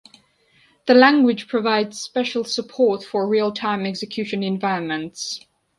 The language provides special support for real-time execution environments.